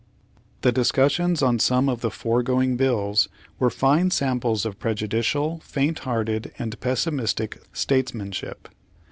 The discussions on some of the foregoing bills were fine samples of prejudicial, faint hearted and pessimistic statesmanship.